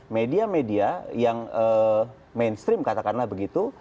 media media yang mainstream katakanlah begitu